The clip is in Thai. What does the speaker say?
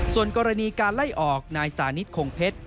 ส่วนกรณีการไล่ออกนายสานิทคงเพชร